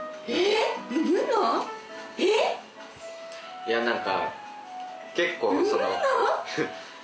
いや何か。